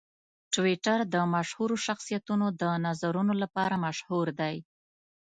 ټویټر د مشهورو شخصیتونو د نظرونو لپاره مشهور دی.